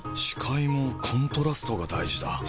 視界もコントラストが大事だ。